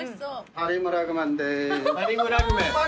タリムラグメンです。